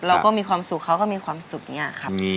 เราก็มีความสุขเขาก็มีความสุขอย่างนี้ครับ